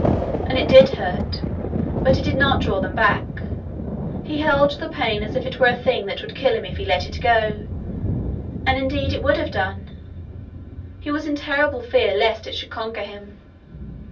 And it did hurt! But he did not draw them back. He held the pain as if it were a thing that would kill him if he let it go as indeed it would have done. He was in terrible fear lest it should conquer him.